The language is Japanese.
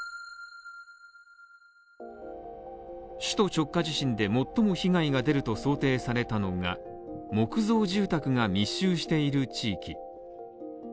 首都直下地震で最も被害が出ると想定されたのが、木造住宅が密集している地域。